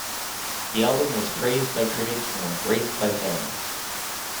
The album was praised by critics and embraced by fans.